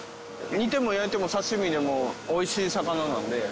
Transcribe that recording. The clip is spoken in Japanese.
煮ても焼いても刺し身でも美味しい魚なので。